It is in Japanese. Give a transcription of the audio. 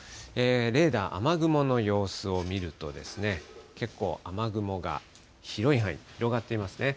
レーダー、雨雲の様子を見ると、結構、雨雲が広い範囲、広がっていますね。